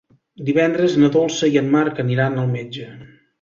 Divendres na Dolça i en Marc aniran al metge.